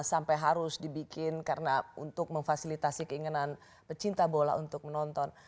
sampai harus dibikin karena untuk memfasilitasi keinginan pecinta bola untuk menonton